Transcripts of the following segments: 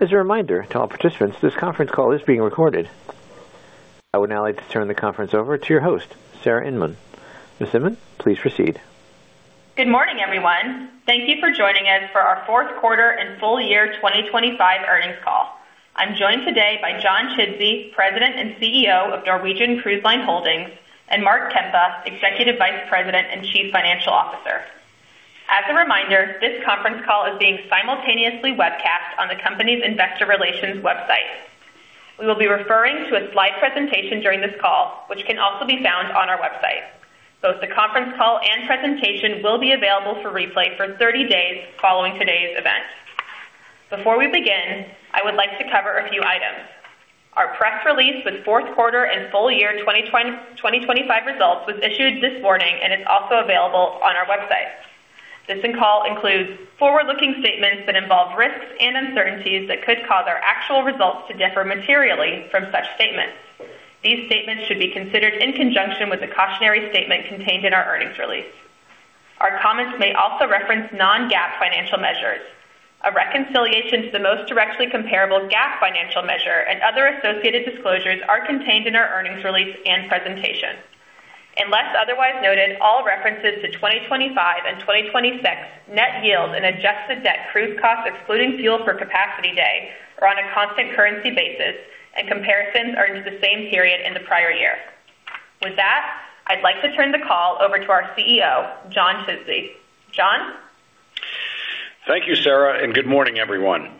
As a reminder to all participants, this conference call is being recorded. I would now like to turn the conference over to your host, Sarah Inman. Ms. Inman, please proceed. Good morning, everyone. Thank you for joining us for our Fourth Quarter and Full-Year 2025 Earnings Call. I'm joined today by John Chidsey, President and CEO of Norwegian Cruise Line Holdings, and Mark Kempa, Executive Vice President and Chief Financial Officer. As a reminder, this conference call is being simultaneously webcast on the company's investor relations website. We will be referring to a slide presentation during this call, which can also be found on our website. Both the conference call and presentation will be available for replay for 30 days following today's event. Before we begin, I would like to cover a few items. Our press release with fourth quarter and full year 2025 results was issued this morning and is also available on our website. This call includes forward-looking statements that involve risks and uncertainties that could cause our actual results to differ materially from such statements. These statements should be considered in conjunction with the cautionary statement contained in our earnings release. Our comments may also reference non-GAAP financial measures. A reconciliation to the most directly comparable GAAP financial measure and other associated disclosures are contained in our earnings release and presentation. Unless otherwise noted, all references to 2025 and 2026 net yield and adjusted debt cruise cost, excluding fuel for capacity day, are on a constant currency basis, and comparisons are to the same period in the prior year. With that, I'd like to turn the call over to our CEO, John Chidsey. John? Thank you, Sarah. Good morning, everyone.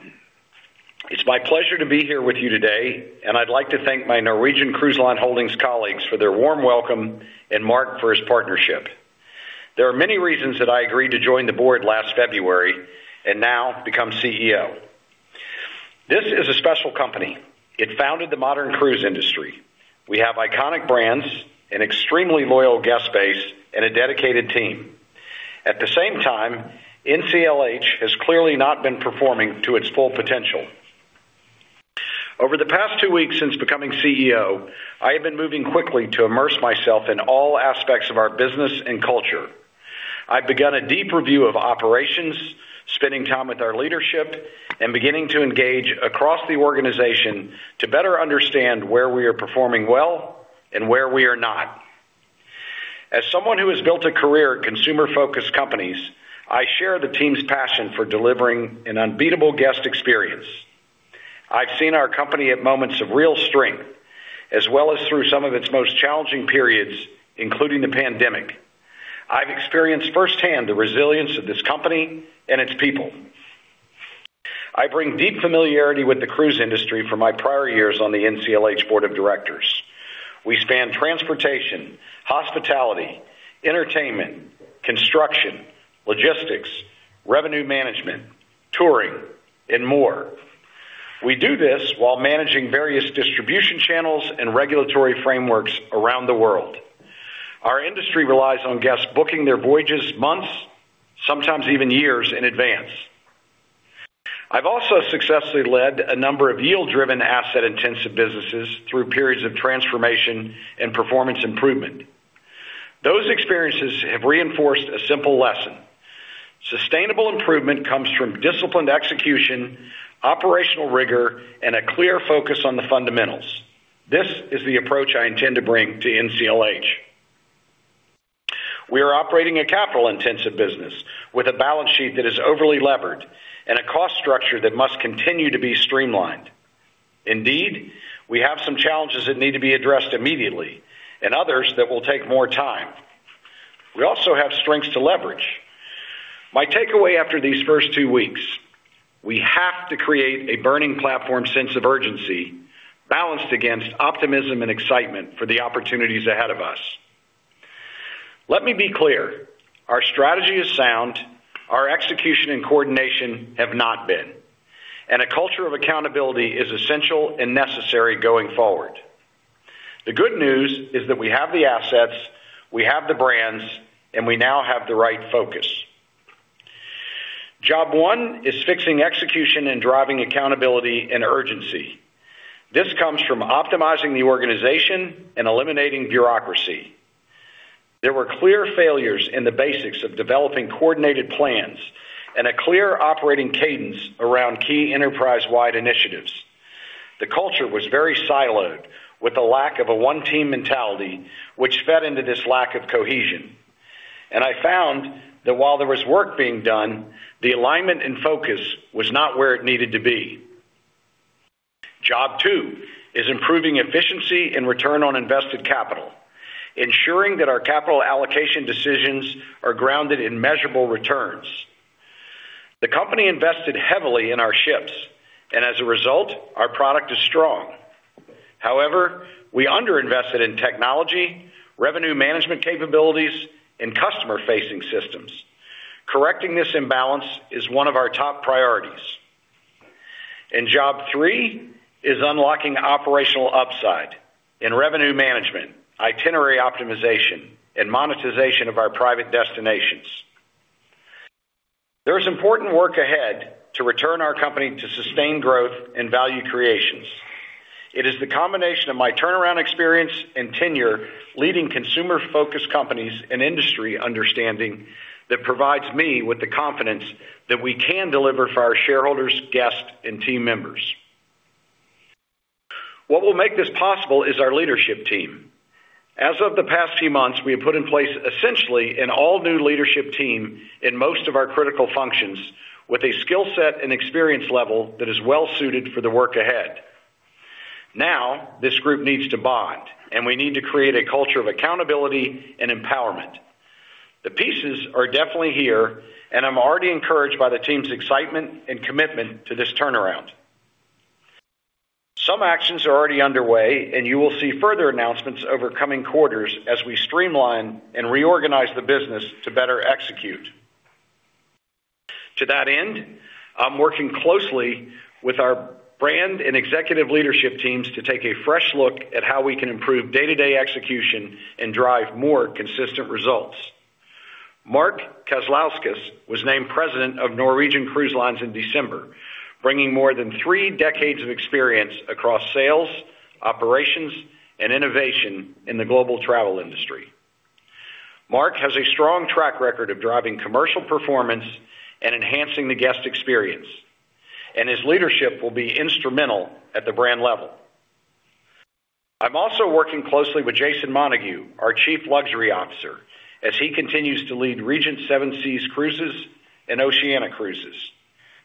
It's my pleasure to be here with you today, and I'd like to thank my Norwegian Cruise Line Holdings colleagues for their warm welcome and Mark for his partnership. There are many reasons that I agreed to join the board last February and now become CEO. This is a special company. It founded the modern cruise industry. We have iconic brands, an extremely loyal guest base, and a dedicated team. At the same time, NCLH has clearly not been performing to its full potential. Over the past two weeks since becoming CEO, I have been moving quickly to immerse myself in all aspects of our business and culture. I've begun a deep review of operations, spending time with our leadership, and beginning to engage across the organization to better understand where we are performing well and where we are not. As someone who has built a career at consumer-focused companies, I share the team's passion for delivering an unbeatable guest experience. I've seen our company at moments of real strength as well as through some of its most challenging periods, including the pandemic. I've experienced firsthand the resilience of this company and its people. I bring deep familiarity with the cruise industry from my prior years on the NCLH Board of Directors. We span transportation, hospitality, entertainment, construction, logistics, revenue management, touring, and more. We do this while managing various distribution channels and regulatory frameworks around the world. Our industry relies on guests booking their voyages months, sometimes even years, in advance. I've also successfully led a number of yield-driven asset-intensive businesses through periods of transformation and performance improvement. Those experiences have reinforced a simple lesson: sustainable improvement comes from disciplined execution, operational rigor, and a clear focus on the fundamentals. This is the approach I intend to bring to NCLH. We are operating a capital-intensive business with a balance sheet that is overly levered and a cost structure that must continue to be streamlined. Indeed, we have some challenges that need to be addressed immediately and others that will take more time. We also have strengths to leverage. My takeaway after these first two weeks: we have to create a burning platform sense of urgency balanced against optimism and excitement for the opportunities ahead of us. Let me be clear, our strategy is sound. Our execution and coordination have not been, and a culture of accountability is essential and necessary going forward. The good news is that we have the assets, we have the brands, and we now have the right focus. Job one is fixing execution and driving accountability and urgency. This comes from optimizing the organization and eliminating bureaucracy. There were clear failures in the basics of developing coordinated plans and a clear operating cadence around key enterprise-wide initiatives. The culture was very siloed with the lack of a one-team mentality, which fed into this lack of cohesion. I found that while there was work being done, the alignment and focus was not where it needed to be. Job two is improving efficiency and return on invested capital, ensuring that our capital allocation decisions are grounded in measurable returns. The company invested heavily in our ships, and as a result, our product is strong. However, we underinvested in technology, revenue management capabilities, and customer-facing systems. Correcting this imbalance is one of our top priorities. Job three is unlocking operational upside in revenue management, itinerary optimization, and monetization of our private destinations. There is important work ahead to return our company to sustained growth and value creations. It is the combination of my turnaround experience and tenure leading consumer-focused companies and industry understanding that provides me with the confidence that we can deliver for our shareholders, guests, and team members. What will make this possible is our leadership team. As of the past few months, we have put in place essentially an all-new leadership team in most of our critical functions with a skill set and experience level that is well-suited for the work ahead. This group needs to bond, and we need to create a culture of accountability and empowerment. The pieces are definitely here, and I'm already encouraged by the team's excitement and commitment to this turnaround. Some actions are already underway, and you will see further announcements over coming quarters as we streamline and reorganize the business to better execute. To that end, I'm working closely with our brand and executive leadership teams to take a fresh look at how we can improve day-to-day execution and drive more consistent results. Marc Kazlauskas was named President of Norwegian Cruise Line in December, bringing more than three decades of experience across sales, operations, and innovation in the global travel industry. Marc has a strong track record of driving commercial performance and enhancing the guest experience, and his leadership will be instrumental at the brand level. I'm also working closely with Jason Montague, our Chief Luxury Officer, as he continues to lead Regent Seven Seas Cruises and Oceania Cruises.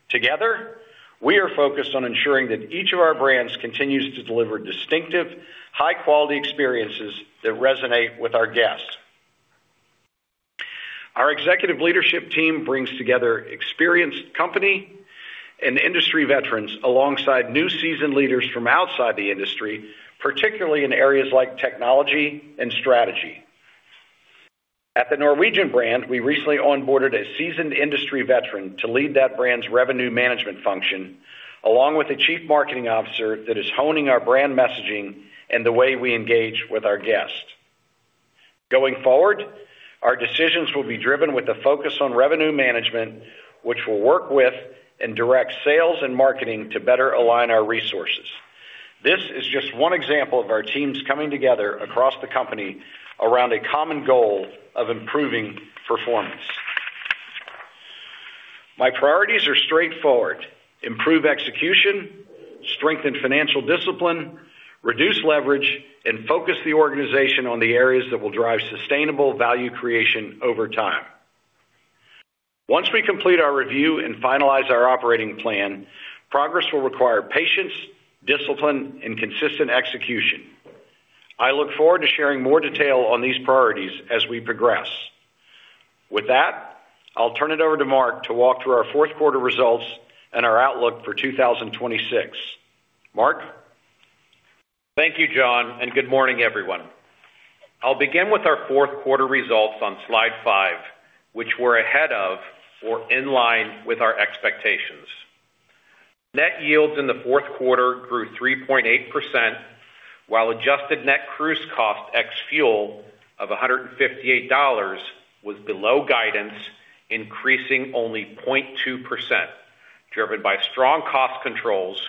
Together, we are focused on ensuring that each of our brands continues to deliver distinctive, high-quality experiences that resonate with our guests. Our executive leadership team brings together experienced company and industry veterans alongside new seasoned leaders from outside the industry, particularly in areas like technology and strategy. At the Norwegian brand, we recently onboarded a seasoned industry veteran to lead that brand's revenue management function, along with a Chief Marketing Officer that is honing our brand messaging and the way we engage with our guests. Going forward, our decisions will be driven with a focus on revenue management, which will work with and direct sales and marketing to better align our resources. This is just one example of our teams coming together across the company around a common goal of improving performance. My priorities are straightforward: improve execution, strengthen financial discipline, reduce leverage, and focus the organization on the areas that will drive sustainable value creation over time. Once we complete our review and finalize our operating plan, progress will require patience, discipline, and consistent execution. I look forward to sharing more detail on these priorities as we progress. With that, I'll turn it over to Mark to walk through our fourth quarter results and our outlook for 2026. Mark? Thank you, John, and good morning, everyone. I'll begin with our fourth quarter results on slide 5, which we're ahead of or in line with our expectations. Net yields in the fourth quarter grew 3.8%, while adjusted net cruise cost ex-fuel of $158 was below guidance, increasing only 0.2%, driven by strong cost controls,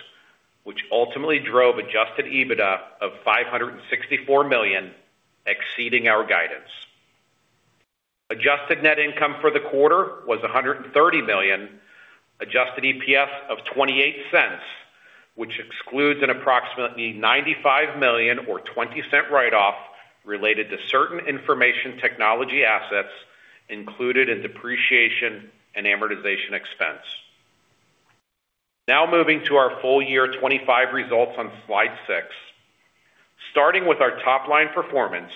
which ultimately drove adjusted EBITDA of $564 million, exceeding our guidance. Adjusted Net Income for the quarter was $130 million, adjusted EPS of $0.28, which excludes an approximately $95 million or $0.20 write-off related to certain information technology assets included in depreciation and amortization expense. Moving to our full year 2025 results on slide 6. Starting with our top-line performance,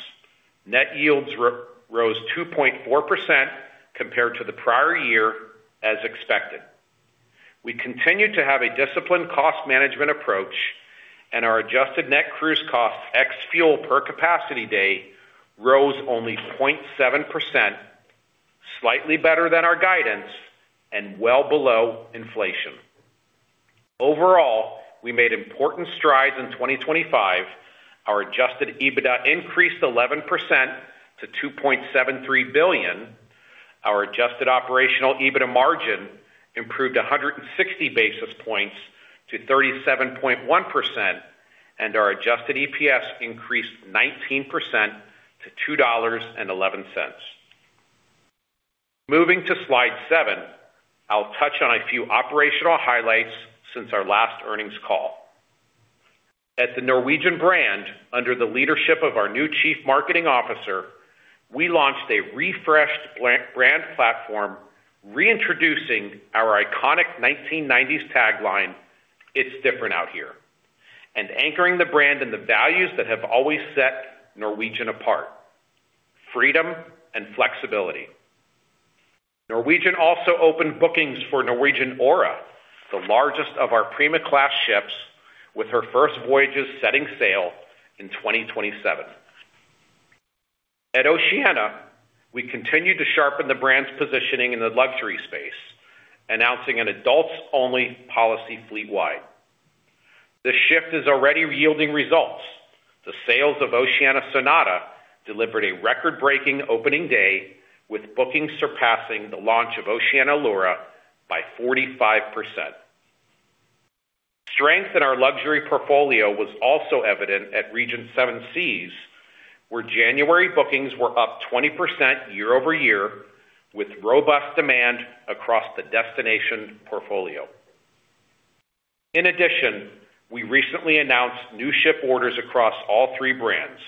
net yields rose 2.4% compared to the prior year as expected. We continued to have a disciplined cost management approach. Our adjusted net cruise ciost ex-fuel per capacity day rose only 0.7%, slightly better than our guidance and well below inflation. Overall, we made important strides in 2025. Our adjusted EBITDA increased 11% to $2.73 billion. Our adjusted operational EBITDA margin improved 160 basis points to 37.1%. Our adjusted EPS increased 19% to $2.11. Moving to Slide 7, I'll touch on a few operational highlights since our last earnings call. At the Norwegian brand, under the leadership of our new Chief Marketing Officer, we launched a refreshed brand platform, reintroducing our iconic 1990s tagline, "It's Different Out Here," and anchoring the brand in the values that have always set Norwegian apart, freedom and flexibility. Norwegian also opened bookings for Norwegian Aura, the largest of our Prima class ships, with her first voyages setting sail in 2027. At Oceania, we continued to sharpen the brand's positioning in the luxury space, announcing an adults-only policy fleet-wide. This shift is already yielding results. Sales of Oceania Sonata delivered a record-breaking opening day with bookings surpassing the launch of Oceania Allura by 45%. Strength in our luxury portfolio was also evident at Regent Seven Seas, where January bookings were up 20% year-over-year, with robust demand across the destination portfolio. In addition, we recently announced new ship orders across all three brands,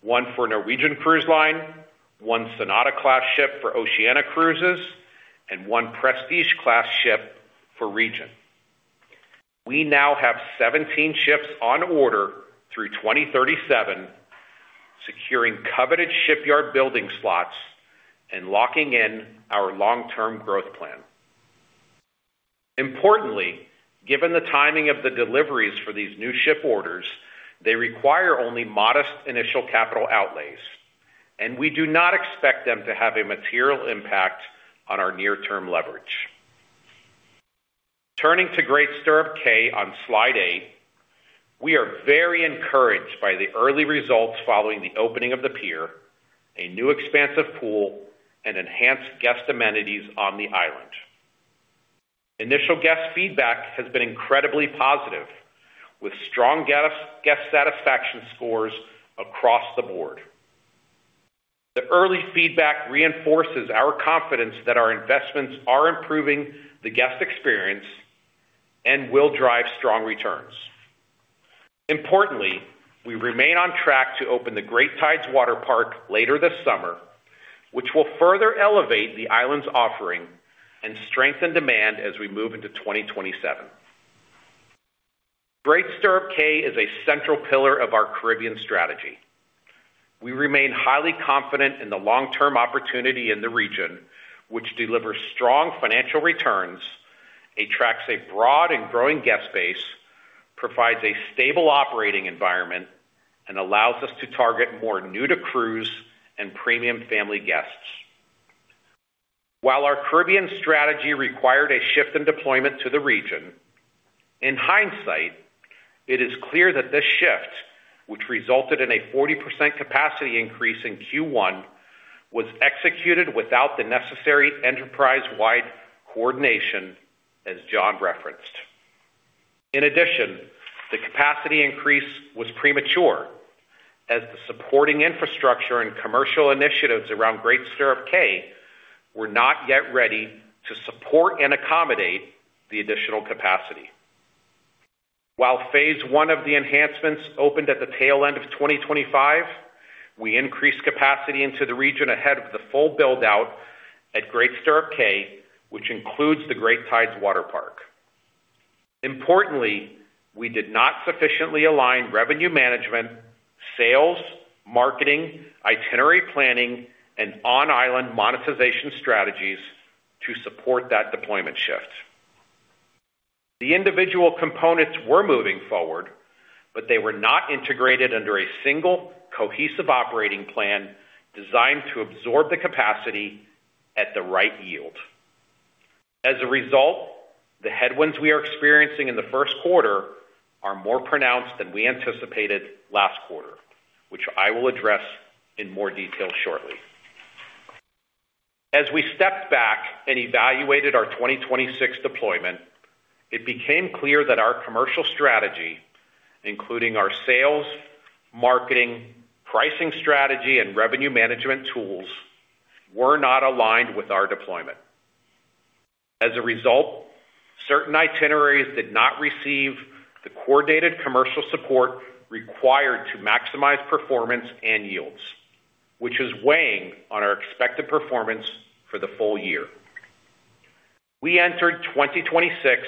one for a Norwegian Cruise Line, one Sonata-class ship for Oceania Cruises, and one Prestige class ship for Regent. We now have 17 ships on order through 2037, securing coveted shipyard building slots and locking in our long-term growth plan. Importantly, given the timing of the deliveries for these new ship orders, they require only modest initial capital outlays, and we do not expect them to have a material impact on our near-term leverage. Turning to Great Stirrup Cay on slide 8. We are very encouraged by the early results following the opening of the pier, a new expansive pool and enhanced guest amenities on the island. Initial guest feedback has been incredibly positive, with strong guest satisfaction scores across the board. The early feedback reinforces our confidence that our investments are improving the guest experience and will drive strong returns. Importantly, we remain on track to open the Great Tides Waterpark later this summer, which will further elevate the island's offering and strengthen demand as we move into 2027. Great Stirrup Cay is a central pillar of our Caribbean strategy. We remain highly confident in the long-term opportunity in the region, which delivers strong financial returns, attracts a broad and growing guest base, provides a stable operating environment, and allows us to target more new to cruise and premium family guests. While our Caribbean strategy required a shift in deployment to the region, in hindsight, it is clear that this shift, which resulted in a 40% capacity increase in Q1, was executed without the necessary enterprise-wide coordination, as John referenced. In addition, the capacity increase was premature as the supporting infrastructure and commercial initiatives around Great Stirrup Cay were not yet ready to support and accommodate the additional capacity. While Phase 1 of the enhancements opened at the tail end of 2025, we increased capacity into the region ahead of the full build-out at Great Stirrup Cay, which includes the Great Tides Water Park. Importantly, we did not sufficiently align revenue management, sales, marketing, itinerary planning, and on-island monetization strategies to support that deployment shift. The individual components were moving forward, but they were not integrated under a single cohesive operating plan designed to absorb the capacity at the right yield. As a result, the headwinds we are experiencing in the first quarter are more pronounced than we anticipated last quarter, which I will address in more detail shortly. As we stepped back and evaluated our 2026 deployment, it became clear that our commercial strategy, including our sales, marketing, pricing strategy, and revenue management tools, were not aligned with our deployment. As a result, certain itineraries did not receive the coordinated commercial support required to maximize performance and yields, which is weighing on our expected performance for the full year. We entered 2026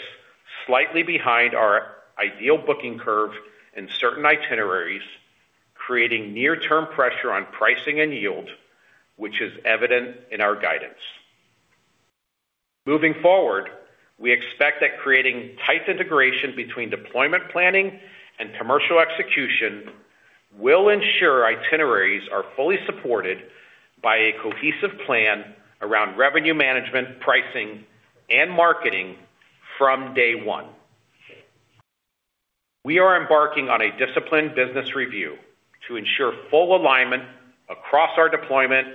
slightly behind our ideal booking curve in certain itineraries, creating near-term pressure on pricing and yield, which is evident in our guidance. Moving forward, we expect that creating tight integration between deployment planning and commercial execution will ensure itineraries are fully supported by a cohesive plan around revenue management, pricing, and marketing from day one. We are embarking on a disciplined business review to ensure full alignment across our deployment,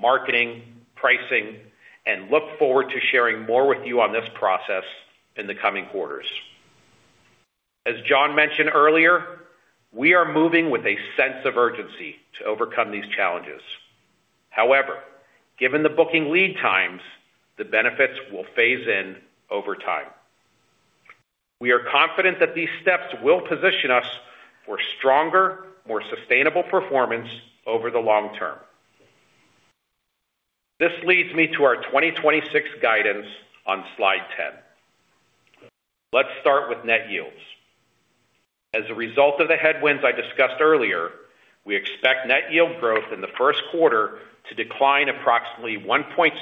marketing, pricing, and look forward to sharing more with you on this process in the coming quarters. As John mentioned earlier, we are moving with a sense of urgency to overcome these challenges. However, given the booking lead times, the benefits will phase in over time. We are confident that these steps will position us for stronger, more sustainable performance over the long term. This leads me to our 2026 guidance on slide 10. Let's start with net yields. As a result of the headwinds I discussed earlier, we expect net yield growth in the first quarter to decline approximately 1.6%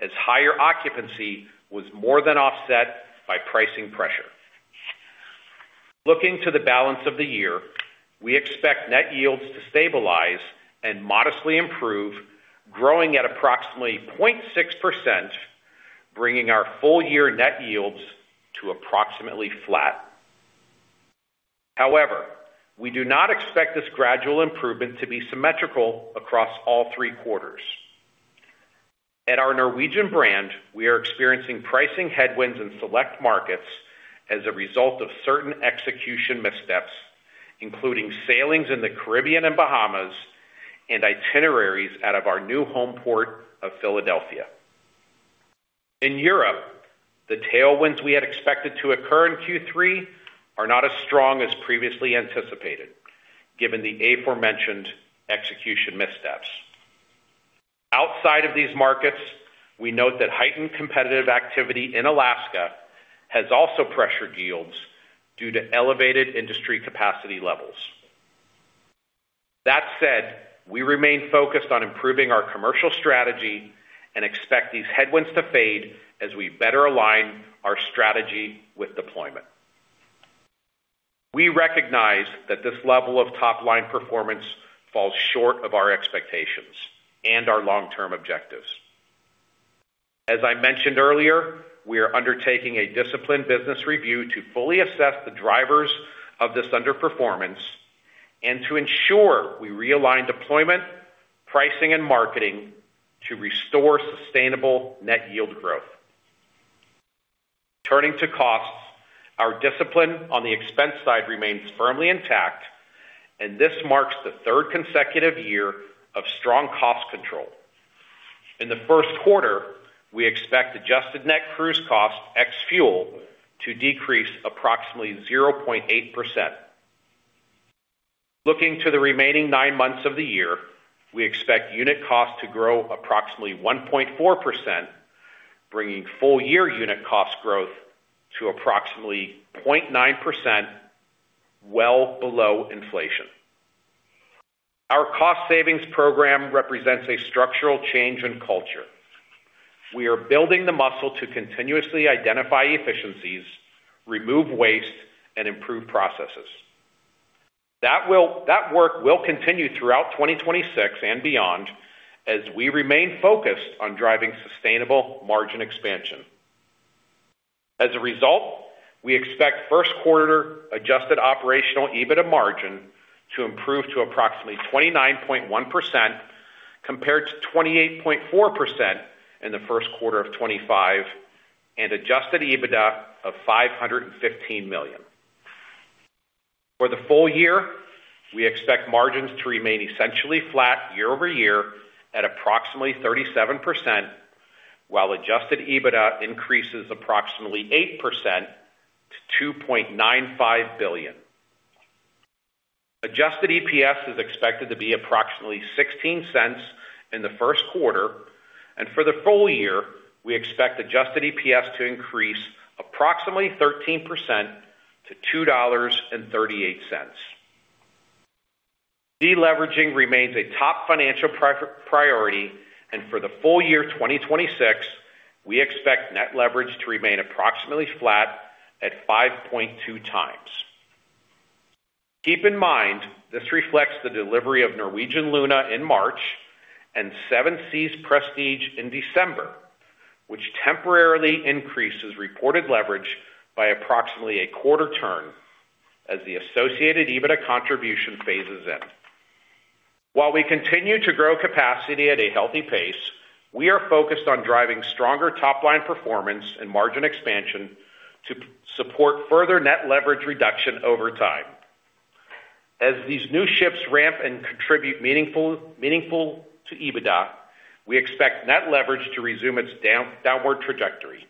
as higher occupancy was more than offset by pricing pressure. Looking to the balance of the year, we expect net yields to stabilize and modestly improve, growing at approximately 0.6% bringing our full year net yields to approximately flat. We do not expect this gradual improvement to be symmetrical across all three quarters. At our Norwegian brand, we are experiencing pricing headwinds in select markets as a result of certain execution missteps, including sailings in the Caribbean and Bahamas and itineraries out of our new home port of Philadelphia. In Europe, the tailwinds we had expected to occur in Q3 are not as strong as previously anticipated, given the aforementioned execution missteps. Outside of these markets, we note that heightened competitive activity in Alaska has also pressured yields due to elevated industry capacity levels. That said, we remain focused on improving our commercial strategy and expect these headwinds to fade as we better align our strategy with deployment. We recognize that this level of top-line performance falls short of our expectations and our long-term objectives. As I mentioned earlier, we are undertaking a disciplined business review to fully assess the drivers of this underperformance and to ensure we realign deployment, pricing and marketing to restore sustainable net yield growth. Turning to costs, our discipline on the expense side remains firmly intact, and this marks the third consecutive year of strong cost control. In the first quarter, we expect adjusted net cruise cost ex-fuel to decrease approximately 0.8%. Looking to the remaining nine months of the year, we expect unit cost to grow approximately 1.4%, bringing full year unit cost growth to approximately 0.9%, well below inflation. Our cost savings program represents a structural change in culture. We are building the muscle to continuously identify efficiencies, remove waste, and improve processes. That work will continue throughout 2026 and beyond as we remain focused on driving sustainable margin expansion. As a result, we expect first quarter adjusted operational EBITDA margin to improve to approximately 29.1% compared to 28.4% in the first quarter of 2025 and adjusted EBITDA of $515 million. For the full year, we expect margins to remain essentially flat year-over-year at approximately 37%, while adjusted EBITDA increases approximately 8% to $2.95 billion. Adjusted EPS is expected to be approximately $0.16 in the first quarter, and for the full year, we expect adjusted EPS to increase approximately 13% to $2.38. Deleveraging remains a top financial priority, and for the full year 2026, we expect net leverage to remain approximately flat at 5.2x. Keep in mind, this reflects the delivery of Norwegian Luna in March and Seven Seas Prestige in December, which temporarily increases reported leverage by approximately a quarter turn as the associated EBITDA contribution phases in. While we continue to grow capacity at a healthy pace, we are focused on driving stronger top-line performance and margin expansion to support further net leverage reduction over time. As these new ships ramp and contribute meaningful to EBITDA, we expect net leverage to resume its downward trajectory.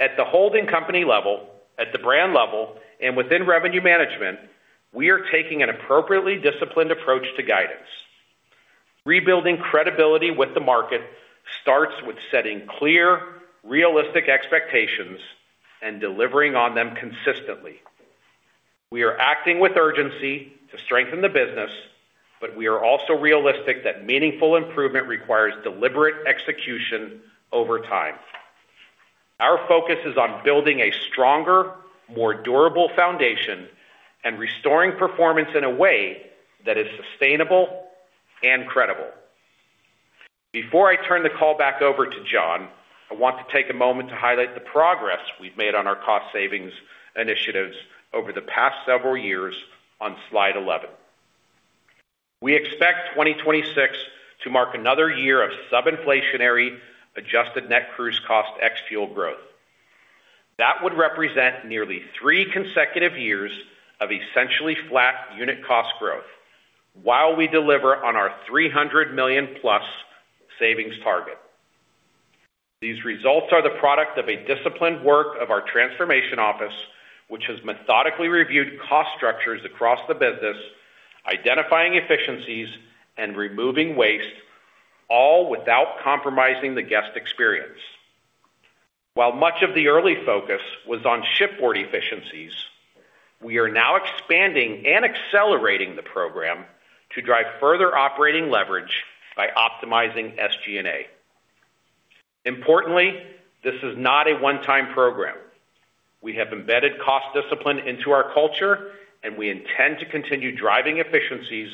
At the holding company level, at the brand level, and within revenue management, we are taking an appropriately disciplined approach to guidance. Rebuilding credibility with the market starts with setting clear, realistic expectations and delivering on them consistently. We are acting with urgency to strengthen the business, we are also realistic that meaningful improvement requires deliberate execution over time. Our focus is on building a stronger, more durable foundation and restoring performance in a way that is sustainable and credible. Before I turn the call back over to John, I want to take a moment to highlight the progress we've made on our cost savings initiatives over the past several years on slide 11. We expect 2026 to mark another year of sub-inflationary adjusted net cruise cost ex-fuel growth. That would represent nearly three consecutive years of essentially flat unit cost growth while we deliver on our $300 million+ savings target. These results are the product of a disciplined work of our transformation office, which has methodically reviewed cost structures across the business, identifying efficiencies and removing waste, all without compromising the guest experience. While much of the early focus was on shipboard efficiencies, we are now expanding and accelerating the program to drive further operating leverage by optimizing SG&A. Importantly, this is not a one-time program. We have embedded cost discipline into our culture, and we intend to continue driving efficiencies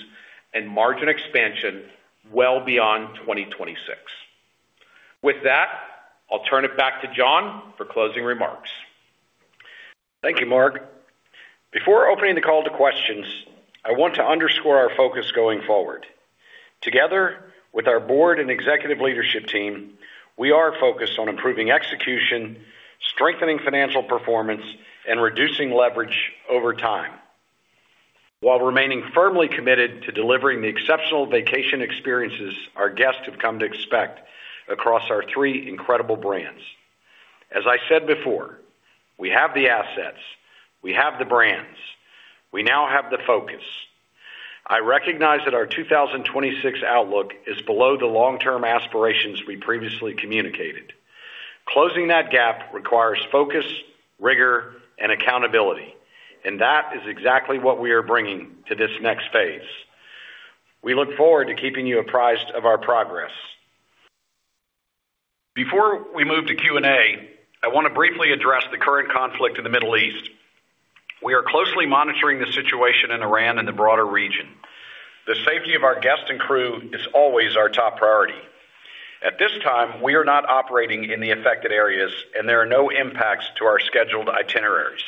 and margin expansion well beyond 2026. With that, I'll turn it back to John for closing remarks. Thank you, Mark. Before opening the call to questions, I want to underscore our focus going forward. Together with our board and executive leadership team, we are focused on improving execution, strengthening financial performance, and reducing leverage over time while remaining firmly committed to delivering the exceptional vacation experiences our guests have come to expect across our three incredible brands. As I said before, we have the assets, we have the brands, we now have the focus. I recognize that our 2026 outlook is below the long-term aspirations we previously communicated. Closing that gap requires focus, rigor, and accountability, and that is exactly what we are bringing to this next phase. We look forward to keeping you apprised of our progress. Before we move to Q&A, I want to briefly address the current conflict in the Middle East. We are closely monitoring the situation in Iran and the broader region. The safety of our guests and crew is always our top priority. At this time, we are not operating in the affected areas and there are no impacts to our scheduled itineraries.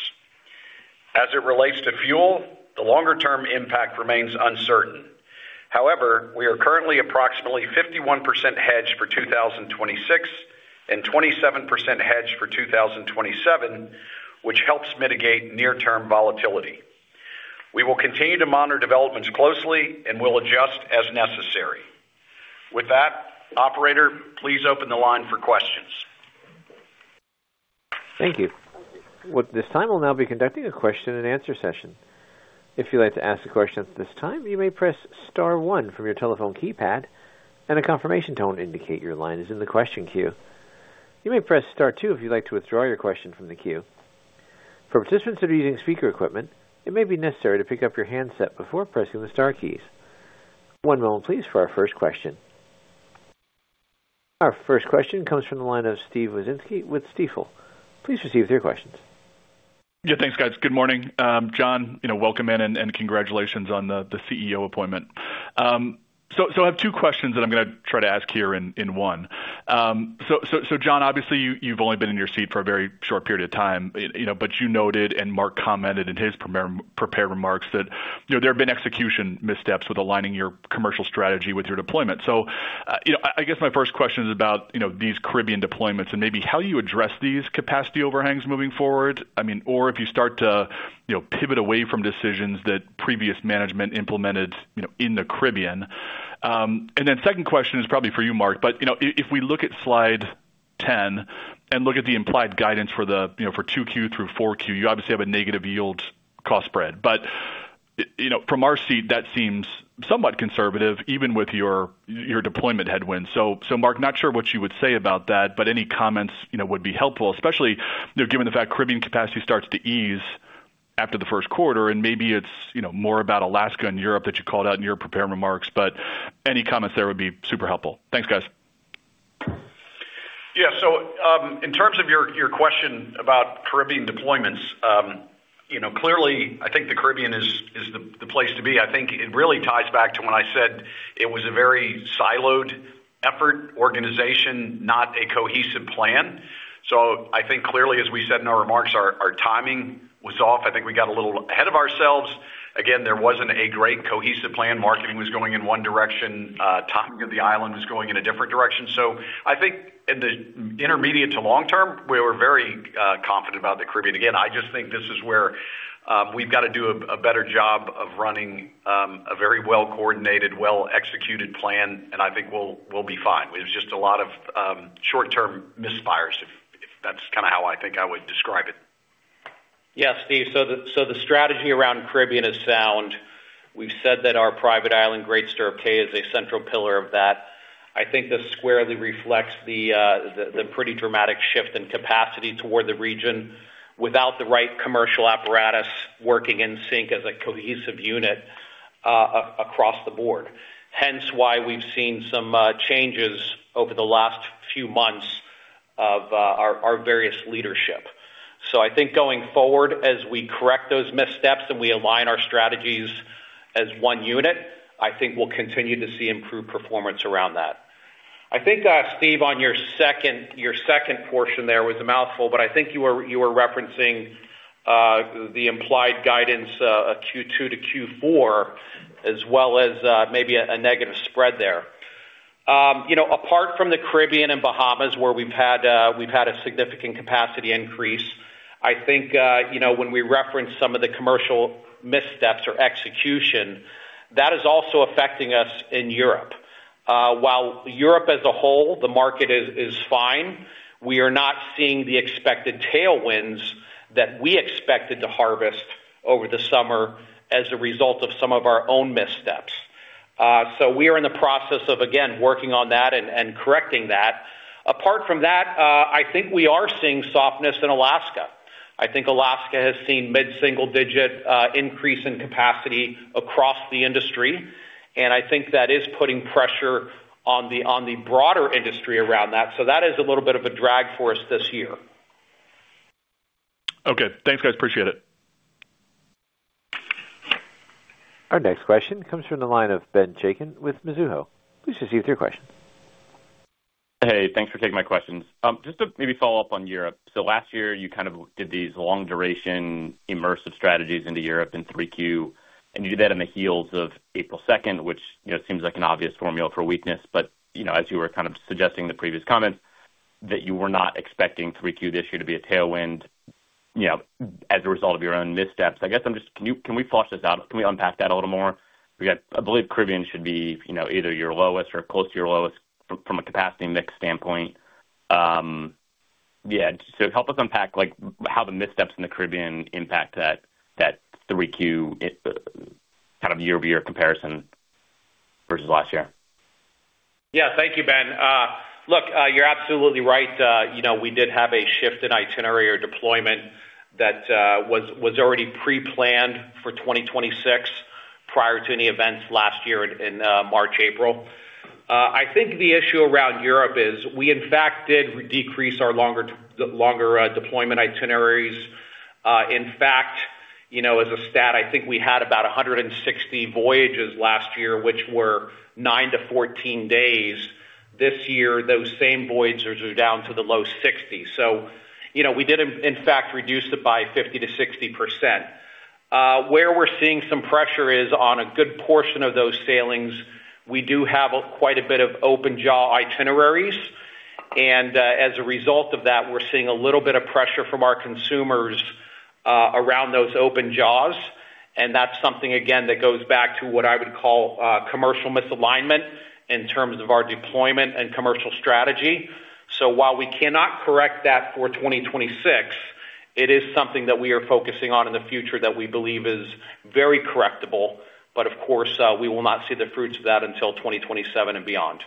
As it relates to fuel, the longer-term impact remains uncertain. However, we are currently approximately 51% hedged for 2026 and 27% hedged for 2027, which helps mitigate near term volatility. We will continue to monitor developments closely and will adjust as necessary. With that, operator, please open the line for questions. Thank you. With this time, we'll now be conducting a question and answer session. If you'd like to ask a question at this time, you may press star one from your telephone keypad and a confirmation tone indicate your line is in the question queue. You may press star two if you'd like to withdraw your question from the queue. For participants that are using speaker equipment, it may be necessary to pick up your handset before pressing the star keys. One moment please for our first question. Our first question comes from the line of Steve Wieczynski with Stifel. Please proceed with your questions. Yeah, thanks, guys. Good morning. John, you know, welcome in and congratulations on the CEO appointment. So I have two questions that I'm gonna try to ask here in one. So John, obviously you've only been in your seat for a very short period of time, you know, but you noted and Mark commented in his prepared remarks that, you know, there have been execution missteps with aligning your commercial strategy with your deployment. I guess my first question is about, you know, these Caribbean deployments and maybe how you address these capacity overhangs moving forward. I mean, or if you start to, you know, pivot away from decisions that previous management implemented, you know, in the Caribbean. Second question is probably for you, Mark, you know, if we look at slide 10 and look at the implied guidance for the, you know, for 2Q through 4Q, you obviously have a negative yield cost spread. You know, from our seat that seems somewhat conservative even with your deployment headwinds. So Mark, not sure what you would say about that, but any comments, you know, would be helpful. Especially, you know, given the fact Caribbean capacity starts to ease after the first quarter and maybe it's, you know, more about Alaska and Europe that you called out in your prepared remarks, but any comments there would be super helpful. Thanks, guys. Yeah. in terms of your question about Caribbean deployments, you know, clearly I think the Caribbean is the place to be. I think it really ties back to when I said it was a very siloed effort organization, not a cohesive plan. I think clearly, as we said in our remarks, our timing was off. I think we got a little ahead of ourselves. Again, there wasn't a great cohesive plan. Marketing was going in one direction, timing of the island was going in a different direction. I think in the intermediate to long term, we were very confident about the Caribbean. Again, I just think this is where we've got to do a better job of running a very well-coordinated, well-executed plan, and I think we'll be fine. There's just a lot of, short-term misfires, if that's kind of how I think I would describe it. Steve. The strategy around Caribbean is sound. We've said that our private island, Great Stirrup Cay, is a central pillar of that. I think this squarely reflects the pretty dramatic shift in capacity toward the region without the right commercial apparatus working in sync as a cohesive unit across the board. Hence why we've seen some changes over the last few months of our various leadership. I think going forward, as we correct those missteps and we align our strategies as one unit, I think we'll continue to see improved performance around that. I think, Steve, on your second portion there was a mouthful, but I think you were referencing the implied guidance of Q2 to Q4 as well as maybe a negative spread there. You know, apart from the Caribbean and Bahamas, where we've had a significant capacity increase, I think, you know, when we reference some of the commercial missteps or execution, that is also affecting us in Europe. While Europe as a whole, the market is fine, we are not seeing the expected tailwinds that we expected to harvest over the summer as a result of some of our own missteps. We are in the process of, again, working on that and correcting that. Apart from that, I think we are seeing softness in Alaska. I think Alaska has seen mid-single digit increase in capacity across the industry, and I think that is putting pressure on the broader industry around that. That is a little bit of a drag for us this year. Okay. Thanks, guys. Appreciate it. Our next question comes from the line of Ben Chaiken with Mizuho. Please proceed with your question. Hey, thanks for taking my questions. Just to maybe follow up on Europe. Last year, you kind of did these long duration immersive strategies into Europe in 3Q, and you did that on the heels of April 2nd, which, you know, seems like an obvious formula for weakness. You know, as you were kind of suggesting the previous comments that you were not expecting 3Q this year to be a tailwind, you know, as a result of your own missteps. Can we unpack that a little more? I believe Caribbean should be, you know, either your lowest or close to your lowest from a capacity mix standpoint. Yeah, help us unpack, like, how the missteps in the Caribbean impact that 3Q kind of year-over-year comparison versus last year? Yeah. Thank you, Ben. Look, you're absolutely right. You know, we did have a shift in itinerary or deployment that was already pre-planned for 2026 prior to any events last year in March, April. I think the issue around Europe is we in fact did decrease our longer deployment itineraries. In fact, you know, as a stat, I think we had about 160 voyages last year, which were 9–14 days. This year, those same voyages are down to the low 60s. You know, we did, in fact, reduce it by 50%-60%. Where we're seeing some pressure is on a good portion of those sailings. We do have a quite a bit of open jaw itineraries, and, as a result of that, we're seeing a little bit of pressure from our consumers, around those open jaws. That's something, again, that goes back to what I would call, commercial misalignment in terms of our deployment and commercial strategy. While we cannot correct that for 2026, it is something that we are focusing on in the future that we believe is very correctable, but of course, we will not see the fruits of that until 2027 and beyond.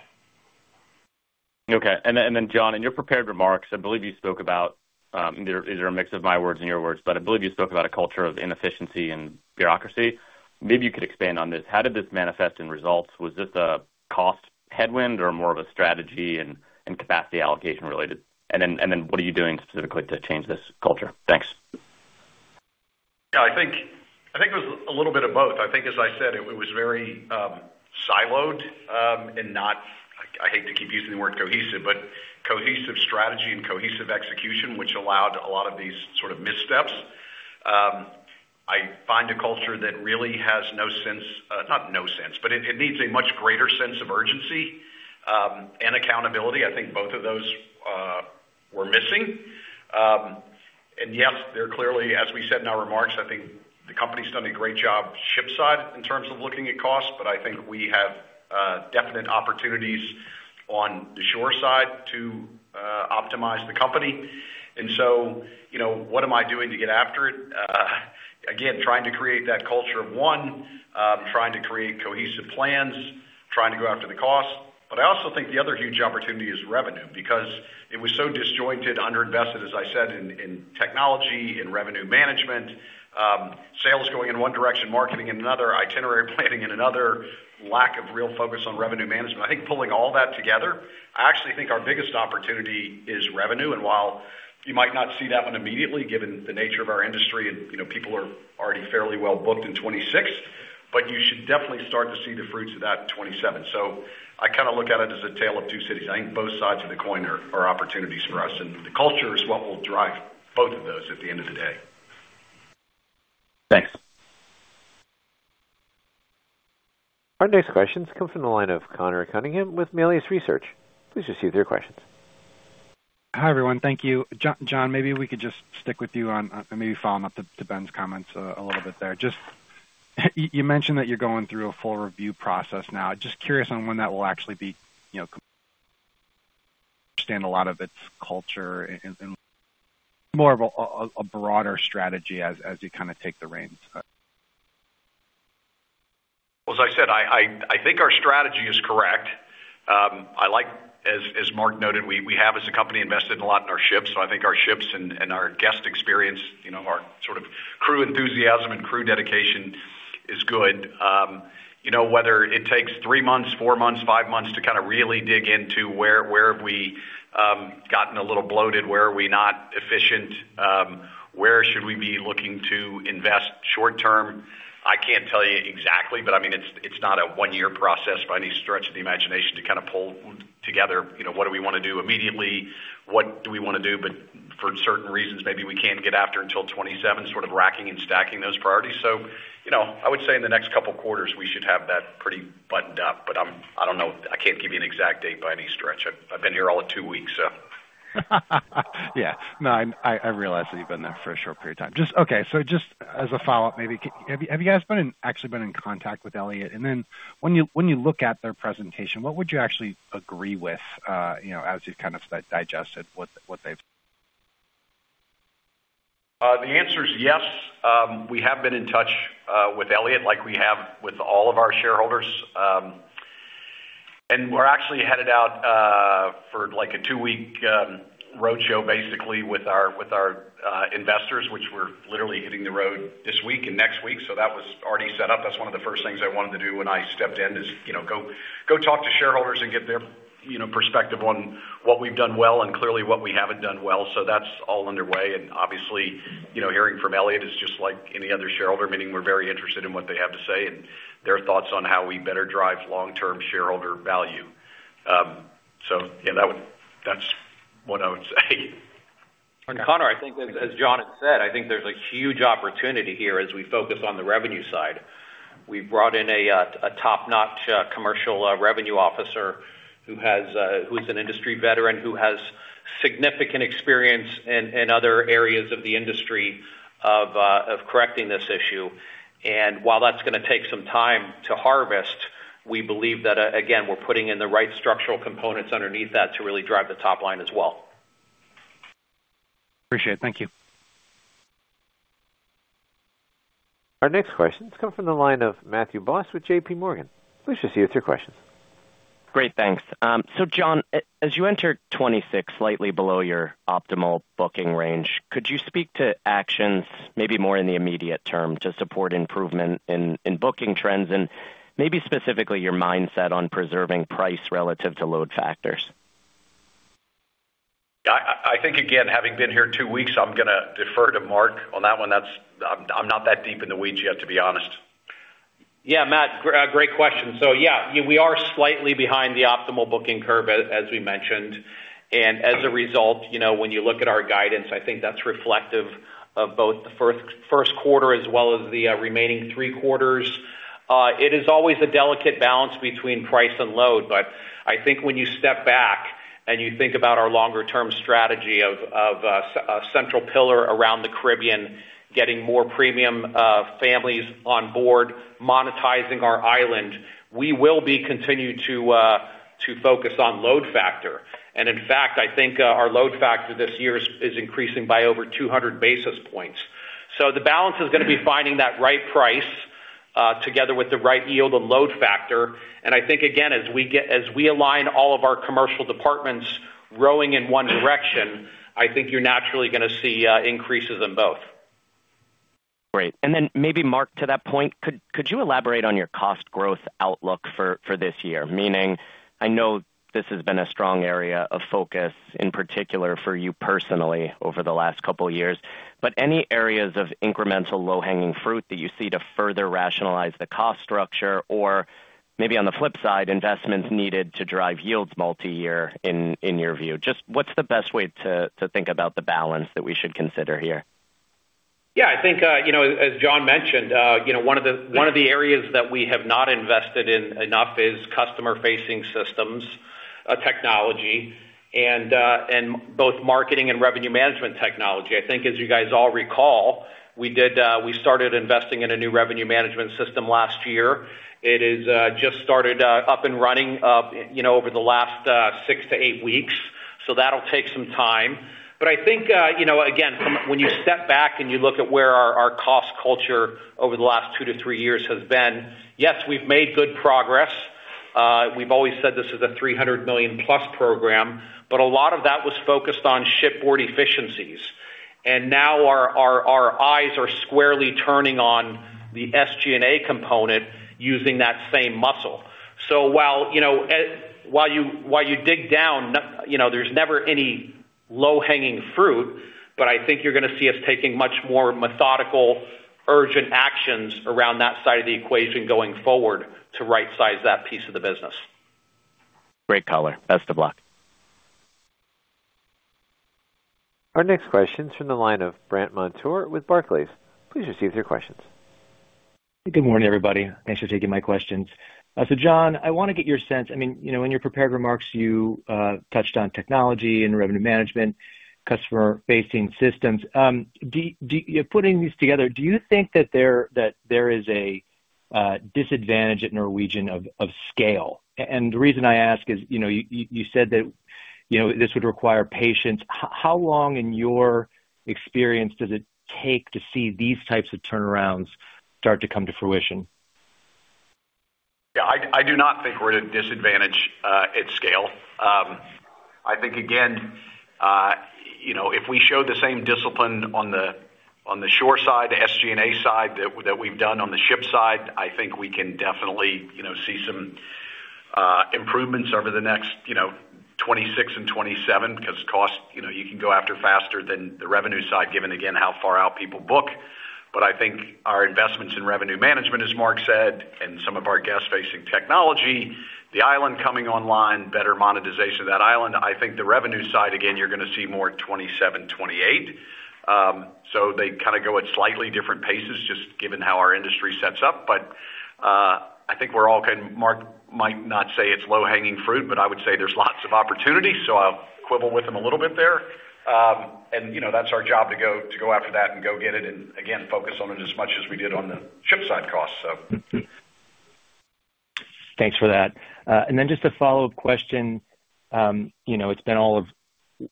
Okay. Then, John, in your prepared remarks, I believe you spoke about a mix of my words and your words, but I believe you spoke about a culture of inefficiency and bureaucracy. Maybe you could expand on this. How did this manifest in results? Was this a cost headwind or more of a strategy and capacity allocation related? Then, what are you doing specifically to change this culture? Thanks. Yeah, I think, it was a little bit of both. I think, as I said, it was very siloed, and I hate to keep using the word cohesive, but cohesive strategy and cohesive execution, which allowed a lot of these sort of missteps. I find a culture that really has no sense—not no sense, but it needs a much greater sense of urgency and accountability. I think both of those were missing. Yes, they're clearly, as we said in our remarks, I think the company's done a great job ship side in terms of looking at costs, but I think we have definite opportunities on the shore side to optimize the company. You know, what am I doing to get after it? Again, trying to create that culture of one, trying to create cohesive plans, trying to go after the cost. I also think the other huge opportunity is revenue because it was so disjointed, under invested, as I said, in technology, in revenue management, sales going in one direction, marketing in another, itinerary planning in another, lack of real focus on revenue management. I think pulling all that together, I actually think our biggest opportunity is revenue. While you might not see that one immediately, given the nature of our industry and, you know, people are already fairly well booked in 2026, but you should definitely start to see the fruits of that in 2027. I kinda look at it as a tale of two cities. I think both sides of the coin are opportunities for us, and the culture is what will drive both of those at the end of the day. Thanks. Our next questions come from the line of Conor Cunningham with Melius Research. Please proceed with your questions. Hi, everyone. Thank you. John, maybe we could just stick with you on, and maybe follow up to Ben's comments a little bit there. Just you mentioned that you're going through a full review process now. Just curious on when that will actually be, you know, understand a lot of its culture and more of a broader strategy as you kinda take the reins. As I said, I think our strategy is correct. I like as Mark noted, we have as a company invested a lot in our ships. I think our ships and our guest experience, you know, our sort of crew enthusiasm and crew dedication is good. You know, whether it takes three months, four months, five months to kinda really dig into where have we gotten a little bloated? Where are we not efficient? Where should we be looking to invest short-term? I can't tell you exactly, but I mean, it's not a one-year process by any stretch of the imagination to kinda pull together, you know, what do we wanna do immediately? What do we wanna do, but for certain reasons, maybe we can't get after until 2027, sort of racking and stacking those priorities. You know, I would say in the next couple of quarters, we should have that pretty buttoned up. I don't know. I can't give you an exact date by any stretch. I've been here all of two weeks, so. Yeah. No, I realize that you've been there for a short period of time. Just, okay, so just as a follow-up, maybe have you guys actually been in contact with Elliott? When you look at their presentation, what would you actually agree with, you know, as you've kind of digested what they've? The answer is yes. We have been in touch with Elliott like we have with all of our shareholders. We're actually headed out for like a two-week roadshow, basically with our investors, which we're literally hitting the road this week and next week. That was already set up. That's one of the first things I wanted to do when I stepped in is, you know, go talk to shareholders and get their, you know, perspective on what we've done well and clearly what we haven't done well. That's all underway. Obviously, you know, hearing from Elliott is just like any other shareholder, meaning we're very interested in what they have to say and their thoughts on how we better drive long-term shareholder value. Yeah, that's what I would say. Conor, I think as John has said, I think there's a huge opportunity here as we focus on the revenue side. We've brought in a top-notch Commercial Revenue Officer who has who's an industry veteran, who has significant experience in other areas of the industry of correcting this issue. While that's gonna take some time to harvest, we believe that again, we're putting in the right structural components underneath that to really drive the top line as well. Appreciate it. Thank you. Our next question's coming from the line of Matthew Boss with JPMorgan. Please just see what's your question. Great. Thanks. John, as you enter 2026 slightly below your optimal booking range, could you speak to actions maybe more in the immediate term to support improvement in booking trends, and maybe specifically your mindset on preserving price relative to load factors? I think again, having been here two weeks, I'm gonna defer to Mark on that one. I'm not that deep in the weeds yet, to be honest. Yeah. Matt, great question. Yeah, we are slightly behind the optimal booking curve as we mentioned. As a result, you know, when you look at our guidance, I think that's reflective of both the first quarter as well as the remaining three quarters. It is always a delicate balance between price and load, but I think when you step back and you think about our longer term strategy of a central pillar around the Caribbean, getting more premium families on board, monetizing our island, we will be continued to focus on load factor. In fact, I think our load factor this year is increasing by over 200 basis points. The balance is gonna be finding that right price together with the right yield and load factor. I think, again, as we align all of our commercial departments rowing in one direction, I think you're naturally gonna see increases in both. Great. Then maybe Mark to that point, could you elaborate on your cost growth outlook for this year? Meaning, I know this has been a strong area of focus in particular for you personally over the last couple of years, but any areas of incremental low-hanging fruit that you see to further rationalize the cost structure or maybe on the flip side, investments needed to drive yields multi-year in your view? Just what's the best way to think about the balance that we should consider here? Yeah. I think, you know, as John mentioned, you know, one of the areas that we have not invested in enough is customer-facing systems, technology and both marketing and revenue management technology. I think as you guys all recall, we did, we started investing in a new revenue management system last year. It is just started up and running, you know, over the last six to eight weeks, so that'll take some time. I think, you know, again, when you step back and you look at where our cost culture over the last two to three years has been, yes, we've made good progress. We've always said this is a $300 million-plus program. A lot of that was focused on shipboard efficiencies. Now our eyes are squarely turning on the SG&A component using that same muscle. While, you know, while you dig down, you know, there's never any low-hanging fruit, but I think you're gonna see us taking much more methodical, urgent actions around that side of the equation going forward to rightsize that piece of the business. Great color. Best of luck. Our next question's from the line of Brandt Montour with Barclays. Please receive your questions. Good morning, everybody. Thanks for taking my questions. John, I wanna get your sense. I mean, you know, in your prepared remarks, you touched on technology and revenue management, customer-facing systems. Putting these together, do you think that there is a disadvantage at Norwegian of scale? The reason I ask is, you know, you said that, you know, this would require patience. How long in your experience does it take to see these types of turnarounds start to come to fruition? Yeah. I do not think we're at a disadvantage at scale. I think again, you know, if we show the same discipline on the shore side, the SG&A side, that we've done on the ship side, I think we can definitely, you know, see some improvements over the next, you know, 2026 and 2027 because cost, you know, you can go after faster than the revenue side, given again, how far out people book. I think our investments in revenue management, as Mark said, and some of our guest-facing technology, the island coming online, better monetization of that island. I think the revenue side, again, you're gonna see more 2027, 2028. They kinda go at slightly different paces just given how our industry sets up. I think we're all can—Mark might not say it's low-hanging fruit, but I would say there's lots of opportunities, so I'll quibble with him a little bit there. You know, that's our job to go, to go after that and go get it and again, focus on it as much as we did on the ship side costs, so. Thanks for that. Just a follow-up question. You know, it's been all of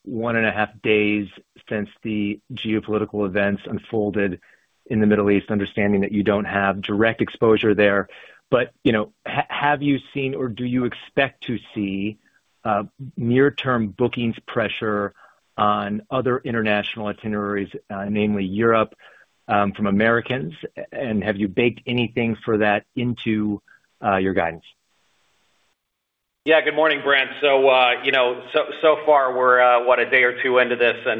one and a half days since the geopolitical events unfolded in the Middle East, understanding that you don't have direct exposure there, but, you know, have you seen or do you expect to see near-term bookings pressure on other international itineraries, namely Europe, from Americans? Have you baked anything for that into your guidance? Yeah. Good morning, Brandt. you know, so far we're what? A day or two into this, you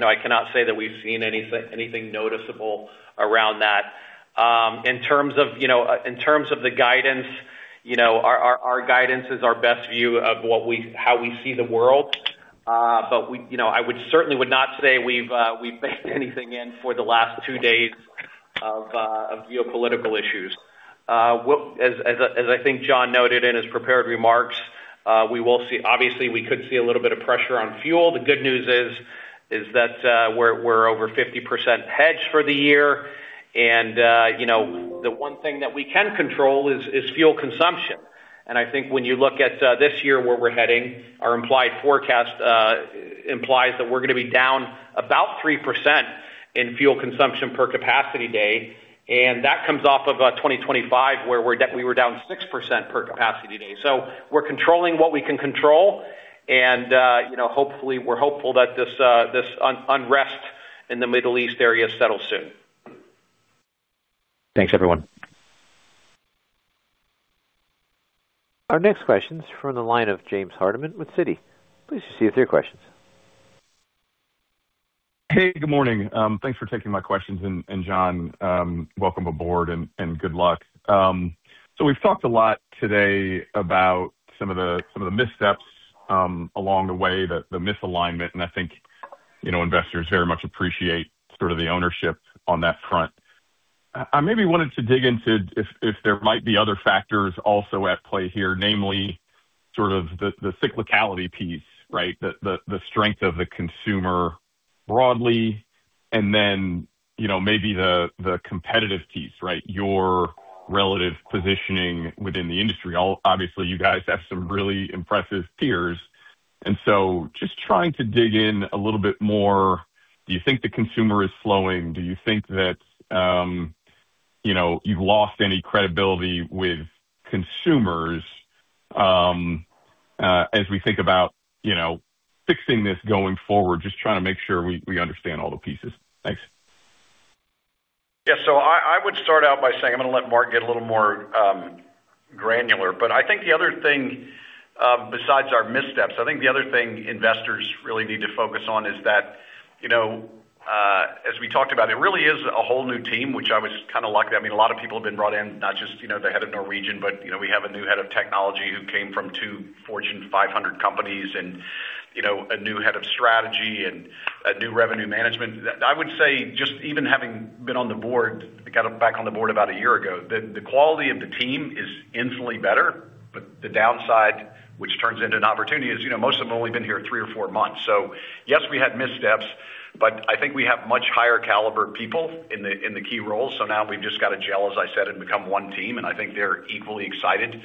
know, I cannot say that we've seen anything noticeable around that. In terms of, you know, in terms of the guidance, you know, our guidance is our best view of how we see the world. you know, I would certainly would not say we've baked anything in for the last two days of geopolitical issues. As I think John noted in his prepared remarks, we will see. Obviously, we could see a little bit of pressure on fuel. The good news is that we're over 50% hedged for the year. you know, the one thing that we can control is fuel consumption. I think when you look at this year, where we're heading, our implied forecast implies that we're gonna be down about 3% in fuel consumption per capacity day. That comes off of 2025, where we were down 6% per capacity day. We're controlling what we can control and, you know, hopefully, we're hopeful that this unrest in the Middle East area settles soon. Thanks, everyone. Our next question's from the line of James Hardiman with Citi. Please proceed with your questions. Hey, good morning. Thanks for taking my questions. John, welcome aboard and good luck. So we've talked a lot today about some of the missteps along the way, the misalignment. I think, you know, investors very much appreciate sort of the ownership on that front. I maybe wanted to dig into if there might be other factors also at play here, namely sort of the cyclicality piece, right? The strength of the consumer broadly, and then, you know, maybe the competitive piece, right? Your relative positioning within the industry. Obviously, you guys have some really impressive peers, just trying to dig in a little bit more, do you think the consumer is slowing? Do you think that, you know, you've lost any credibility with consumers, as we think about, you know, fixing this going forward? Just trying to make sure we understand all the pieces. Thanks. Yeah. I would start out by saying I'm gonna let Mark get a little more granular. I think the other thing, besides our missteps, I think the other thing investors really need to focus on is that, you know, as we talked about, it really is a whole new team, which I was kinda lucky. I mean, a lot of people have been brought in, not just, you know, the head of Norwegian, but, you know, we have a new head of technology who came from two Fortune 500 companies and, you know, a new head of strategy and a new revenue management. That I would say, just even having been on the board, I got back on the board about a year ago, the quality of the team is infinitely better, but the downside, which turns into an opportunity, is, you know, most of them have only been here three or four months. Yes, we had missteps, but I think we have much higher caliber of people in the key roles. Now we've just got to gel, as I said, and become one team, and I think they're equally excited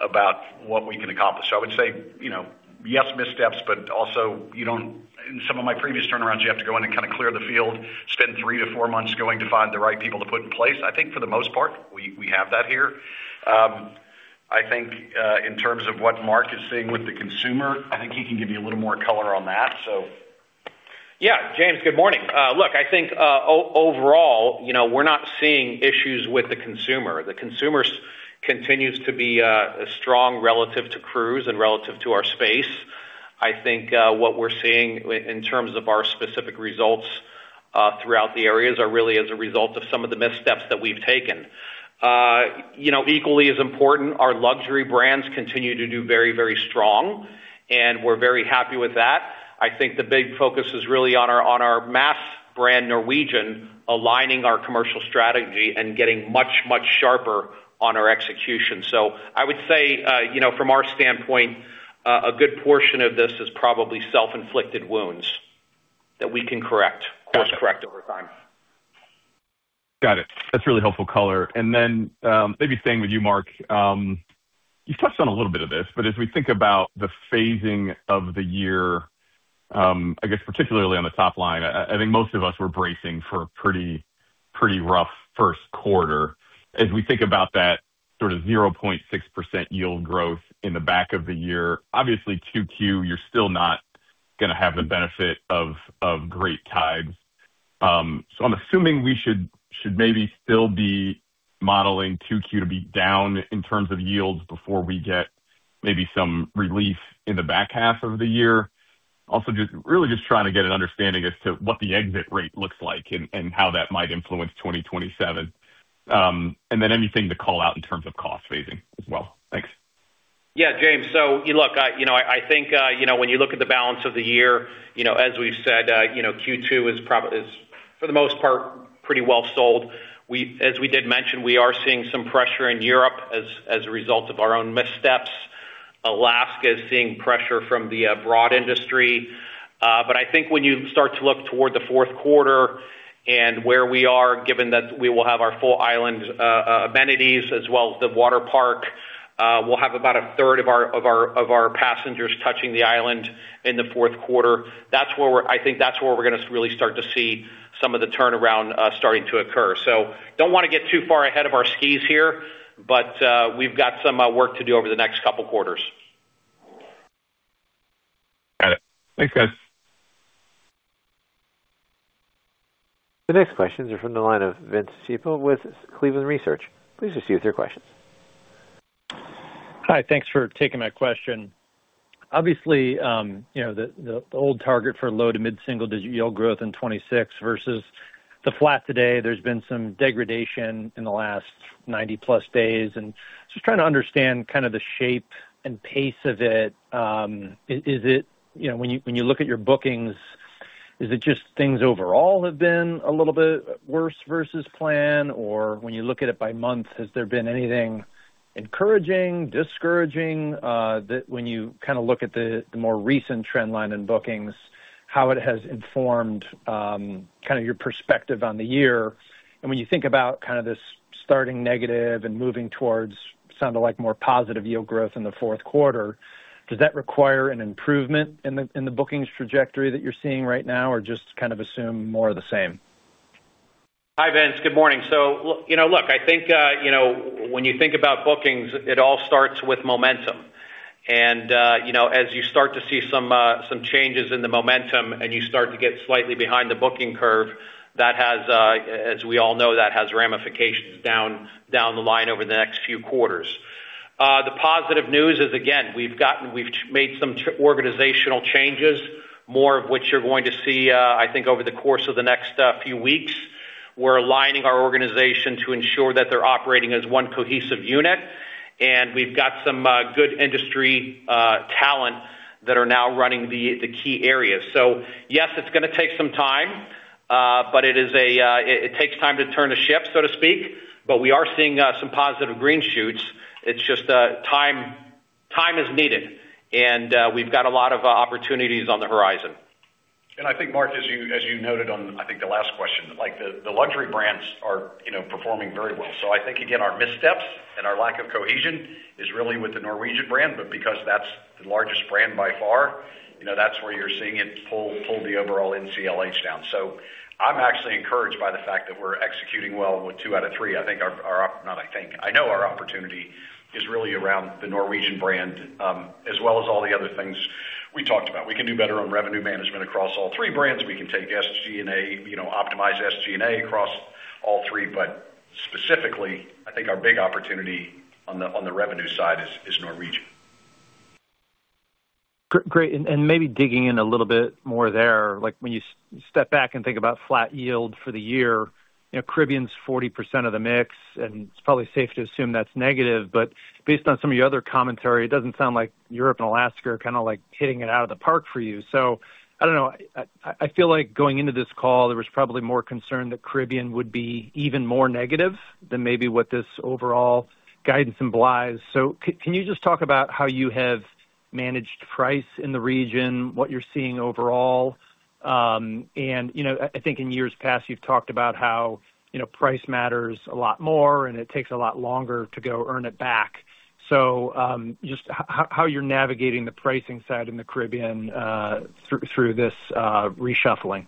about what we can accomplish. I would say, you know, yes, missteps, but also you don't—In some of my previous turnarounds, you have to go in and kinda clear the field, spend three to four months going to find the right people to put in place. I think for the most part, we have that here. I think, in terms of what Mark is seeing with the consumer, I think he can give you a little more color on that, so. James, good morning. Look, I think, overall, you know, we're not seeing issues with the consumer. The consumer continues to be strong relative to cruise and relative to our space. I think, what we're seeing in terms of our specific results, throughout the areas are really as a result of some of the missteps that we've taken. You know, equally as important, our luxury brands continue to do very, very strong, and we're very happy with that. I think the big focus is really on our mass brand, Norwegian, aligning our commercial strategy and getting much, much sharper on our execution. I would say, you know, from our standpoint, a good portion of this is probably self-inflicted wounds that we can correct. Course-correct over time. Got it. That's really helpful color. Maybe staying with you, Mark. You've touched on a little bit of this, but as we think about the phasing of the year, I guess particularly on the top line, I think most of us were bracing for a pretty rough first quarter. As we think about that sort of 0.6% yield growth in the back of the year, obviously, 2Q, you're still not gonna have the benefit of Great Tides. I'm assuming we should maybe still be modeling 2Q to be down in terms of yields before we get maybe some relief in the back half of the year. Really just trying to get an understanding as to what the exit rate looks like and how that might influence 2027. Then anything to call out in terms of cost phasing as well. Thanks. James. Look, I, you know, I think, you know, when you look at the balance of the year, you know, as we've said, you know, Q2 is for the most part, pretty well sold. As we did mention, we are seeing some pressure in Europe as a result of our own missteps. Alaska is seeing pressure from the broad industry. I think when you start to look toward the fourth quarter and where we are, given that we will have our full island amenities as well as the water park, we'll have about a third of our passengers touching the island in the fourth quarter. I think that's where we're gonna really start to see some of the turnaround starting to occur. Don't wanna get too far ahead of our skis here, but we've got some work to do over the next couple quarters. Got it. Thanks, guys. The next questions are from the line of Vince Ciepiel with Cleveland Research. Please proceed with your questions. Hi, thanks for taking my question. Obviously, you know, the old target for low to mid-single digit yield growth in 2026 versus the flat today, there's been some degradation in the last 90+ days. Just trying to understand kind of the shape and pace of it. Is it, you know, when you look at your bookings, is it just things overall have been a little bit worse versus plan, or when you look at it by month, has there been anything encouraging, discouraging, that when you kind of look at the more recent trend line in bookings, how it has informed, kind of your perspective on the year? When you think about kind of this starting negative and moving towards sounded like more positive yield growth in the fourth quarter, does that require an improvement in the bookings trajectory that you're seeing right now, or just kind of assume more of the same? Hi, Vince. Good morning. You know, look, I think, you know, when you think about bookings, it all starts with momentum. You know, as you start to see some changes in the momentum and you start to get slightly behind the booking curve, that has—as we all know, that has ramifications down the line over the next few quarters. The positive news is, again, we've made some organizational changes, more of which you're going to see, I think over the course of the next few weeks. We're aligning our organization to ensure that they're operating as one cohesive unit. We've got some good industry talent that are now running the key areas. Yes, it's gonna take some time, but it takes time to turn a ship, so to speak, but we are seeing some positive green shoots. It's just time is needed, and we've got a lot of opportunities on the horizon. I think, Mark, as you noted on, I think the last question, like the luxury brands are, you know, performing very well. I think, again, our missteps and our lack of cohesion is really with the Norwegian brand. Because that's the largest brand by far, you know, that's where you're seeing it pull the overall NCLH down. I'm actually encouraged by the fact that we're executing well with two out of three. I think our, not I think, I know our opportunity is really around the Norwegian brand, as well as all the other things we talked about. We can do better on revenue management across all three brands. We can take SG&A, you know, optimize SG&A across all three. Specifically, I think our big opportunity on the revenue side is Norwegian. Great. Maybe digging in a little bit more there, like when you step back and think about flat yield for the year, you know, Caribbean's 40% of the mix, and it's probably safe to assume that's negative. Based on some of your other commentary, it doesn't sound like Europe and Alaska are kind of like hitting it out of the park for you. I don't know. I feel like going into this call, there was probably more concern that Caribbean would be even more negative than maybe what this overall guidance implies. Can you just talk about how you have managed price in the region, what you're seeing overall? You know, I think in years past, you've talked about how, you know, price matters a lot more, and it takes a lot longer to go earn it back. Just how you're navigating the pricing side in the Caribbean, through this reshuffling.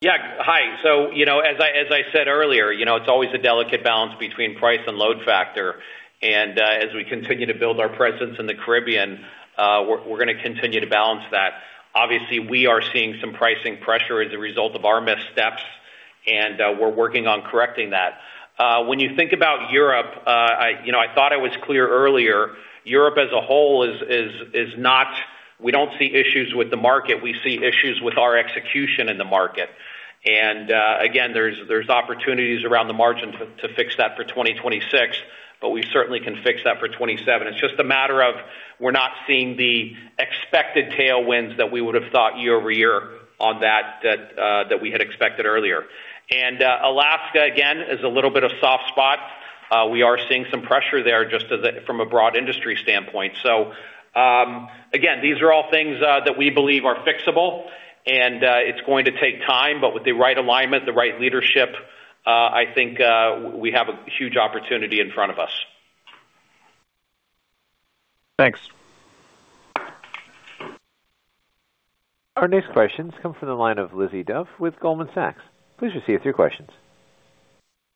Yeah. Hi. You know, as I said earlier, you know, it's always a delicate balance between price and load factor. As we continue to build our presence in the Caribbean, we're gonna continue to balance that. Obviously, we are seeing some pricing pressure as a result of our missteps, we're working on correcting that. When you think about Europe, I, you know, I thought I was clear earlier, Europe as a whole is not. We don't see issues with the market. We see issues with our execution in the market. Again, there's opportunities around the margin to fix that for 2026, but we certainly can fix that for 2027. It's just a matter of we're not seeing the expected tailwinds that we would have thought year-over-year on that, that we had expected earlier. Alaska, again, is a little bit of soft spot. We are seeing some pressure there from a broad industry standpoint. Again, these are all things that we believe are fixable and it's going to take time, but with the right alignment, the right leadership, I think we have a huge opportunity in front of us. Thanks. Our next questions comes from the line of Lizzie Dove with Goldman Sachs. Please proceed with your questions.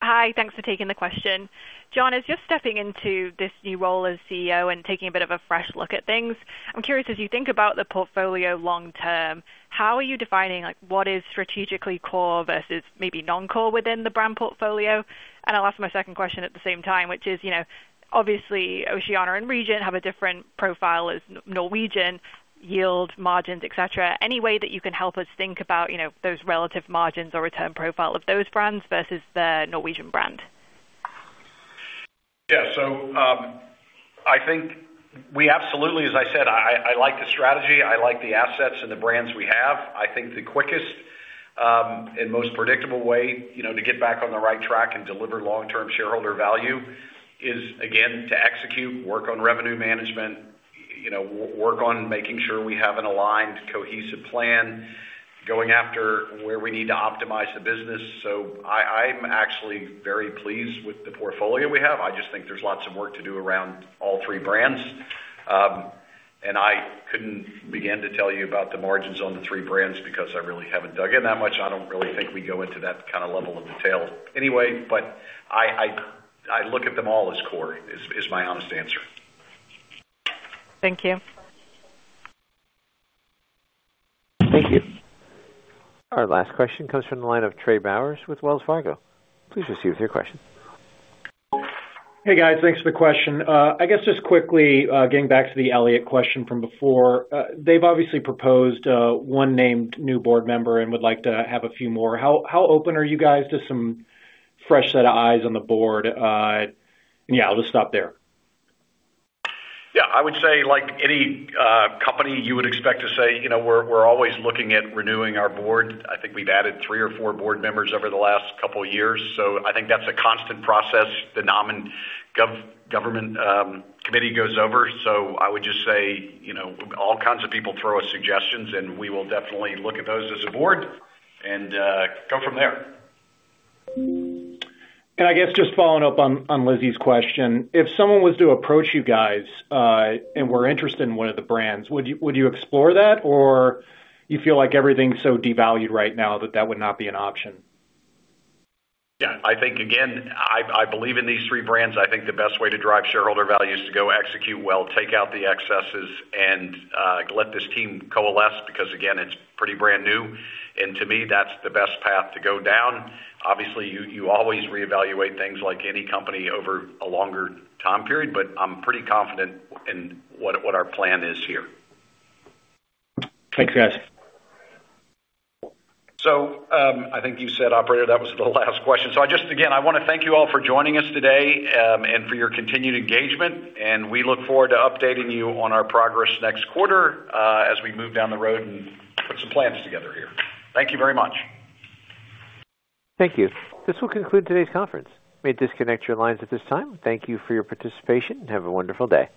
Hi. Thanks for taking the question. John, as you're stepping into this new role as CEO and taking a bit of a fresh look at things, I'm curious, as you think about the portfolio long term, how are you defining, like, what is strategically core versus maybe non-core within the brand portfolio? I'll ask my second question at the same time, which is, you know, obviously, Oceania and Regent have a different profile as Norwegian yield margins, et cetera. Any way that you can help us think about, you know, those relative margins or return profile of those brands versus the Norwegian brand? Yeah. I think we absolutely—as I said, I like the strategy. I like the assets and the brands we have. I think the quickest and most predictable way, you know, to get back on the right track and deliver long-term shareholder value is, again, to execute, work on revenue management, you know, work on making sure we have an aligned, cohesive plan going after where we need to optimize the business. I'm actually very pleased with the portfolio we have. I just think there's lots of work to do around all three brands. I couldn't begin to tell you about the margins on the three brands because I really haven't dug in that much. I don't really think we go into that kind of level of detail anyway. I look at them all as core, is my honest answer. Thank you. Thank you. Our last question comes from the line of Trey Bowers with Wells Fargo. Please proceed with your question. Hey, guys. Thanks for the question. I guess just quickly, getting back to the Elliott question from before. They've obviously proposed, one named new board member and would like to have a few more. How open are you guys to some fresh set of eyes on the board? Yeah, I'll just stop there. Yeah, I would say like any company, you would expect to say, you know, we're always looking at renewing our board. I think we've added three or four board members over the last couple years. I think that's a constant process the nomin—governing committee goes over. I would just say, you know, all kinds of people throw us suggestions, and we will definitely look at those as a board and go from there. I guess just following up on Lizzie's question, if someone was to approach you guys and were interested in one of the brands, would you explore that? Or you feel like everything's so devalued right now that that would not be an option? Yeah. I think again, I believe in these three brands. I think the best way to drive shareholder value is to go execute well, take out the excesses, and let this team coalesce, because again, it's pretty brand new. To me, that's the best path to go down. Obviously, you always reevaluate things like any company over a longer time period, but I'm pretty confident in what our plan is here. Thanks, guys. I think you said, operator, that was the last question. I just, again, I wanna thank you all for joining us today, and for your continued engagement. We look forward to updating you on our progress next quarter, as we move down the road and put some plans together here. Thank you very much. Thank you. This will conclude today's conference. You may disconnect your lines at this time. Thank you for your participation, and have a wonderful day.